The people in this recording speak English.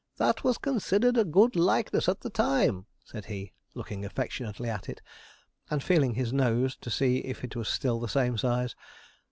'That was considered a good likeness at the time,' said he, looking affectionately at it, and feeling his nose to see if it was still the same size.